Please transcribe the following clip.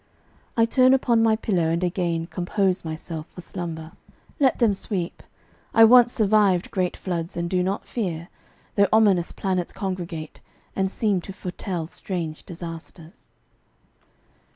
I turn upon my pillow and again Compose myself for slumber. Let them sweep; I once survived great floods, and do not fear, Though ominous planets congregate, and seem To foretell strange disasters.